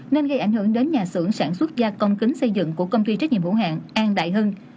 nên gây ảnh hưởng đến nhà xưởng sản xuất gia công kính xây dựng của công ty trách nhiệm hữu hạng an đại hưng